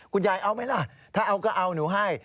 ยายเอาไหมล่ะถ้าเอาก็เอาหนูให้